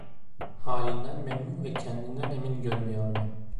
Halinden memnun ve kendinden emin görünüyordu.